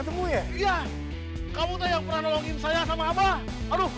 aduh saya teh mau nolongin abah